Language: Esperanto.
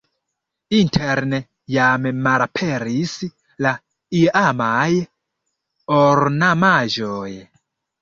Interne jam malaperis la iamaj ornamaĵoj.